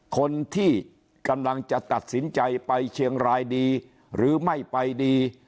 คนที่กำลังจะตัดสินใจไปเชียงรายดีหรือไม่ไปดี